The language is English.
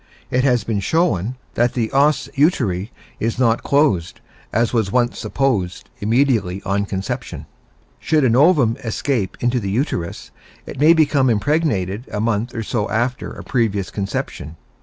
It has been shown that the os uteri is not closed, as was once supposed, immediately on conception. Should an ovum escape into the uterus, it may become impregnated a month or so after a previous conception.